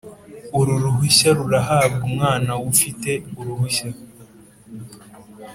Uru ruhushya ruhabwa umwana w ufite uruhushya